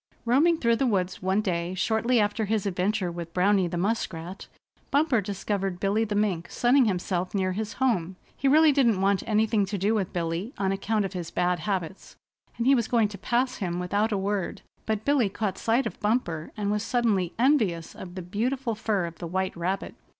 Roaming through the woods one day shortly after his adventure with Browny the Muskrat, Bumper discovered Billy the Mink sunning himself near his home. He really didn't want anything to do with Billy on account of his bad habits, and he was going to pass him without a word; but Billy caught sight of Bumper, and was suddenly envious of the beautiful fur of the white rabbit.